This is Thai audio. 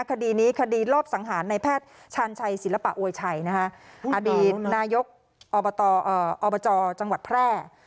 คดีนี้คดีรอบสังหารในแพทย์ชาญชัยศิลปะโวยชัยอดีตนายกอบตอบจจังหวัดแพร่